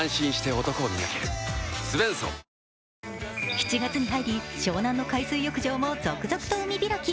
７月に入り、湘南の海水浴場も続々と海開き。